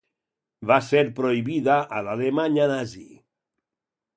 Va ser prohibida a l'Alemanya nazi.